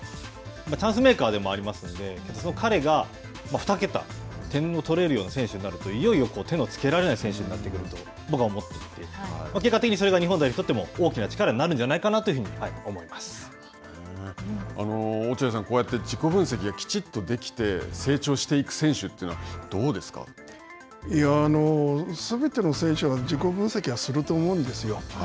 チャンスメーカーでもありますんで、彼が２桁、点を取れるような選手になると、いよいよ手のつけられない選手になってくると、僕は思っていて、結果的にそれが日本代表にとっても大きな力になる落合さん、こうやって自己分析がきちっとできて、成長していく選手というのはすべての選手も自己分析はすると思うんですよ。